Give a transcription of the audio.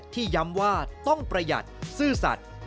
ย้ำว่าต้องประหยัดซื่อสัตว์